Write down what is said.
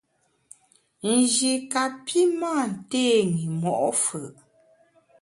Nji kapi mâ nté i mo’ fù’.